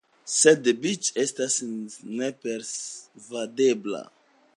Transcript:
Sed Biĉe estas nepersvadebla.